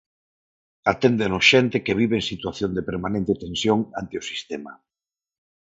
Aténdenos xente que vive en situación de permanente tensión ante o sistema.